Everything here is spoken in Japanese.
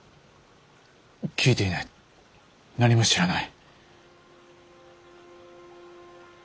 聞いていない何も知らない。